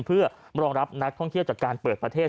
เพื่อรองรับนักท่องเที่ยวจากการเปิดประเทศ